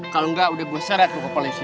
kalo enggak udah gue seret lo ke polisi